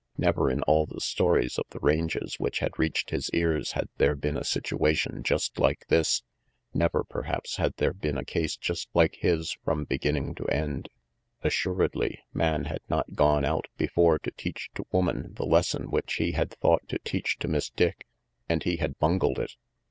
Never, in all the stories of the ranges which had reached his ears, had there been a situation just like this. Never, perhaps, had there been a case just like his from beginning to end. Assuredly, man had not gone out before to teach to woman the lesson which he had thought to teach to Miss Dick. And he had bungled it.